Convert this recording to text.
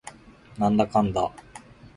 なんだかんだ